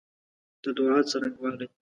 د دعا څرنګوالی